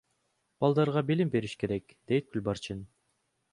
Балдарга билим бериш керек, — дейт Гүлбарчын.